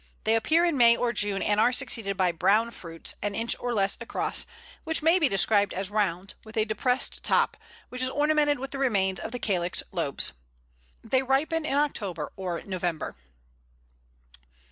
They appear in May or June, and are succeeded by brown fruits, an inch or less across, which may be described as round, with a depressed top, which is ornamented with the remains of the calyx lobes. They ripen in October or November.